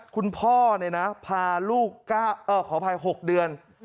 คุณพ่อพาลูกขออภัย๖เดือน